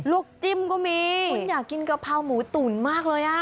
จิ้มก็มีคุณอยากกินกะเพราหมูตุ๋นมากเลยอ่ะ